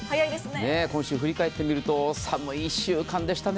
今週振り返ってみると寒い１週間でしたね。